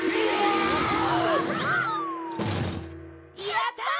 やったあ！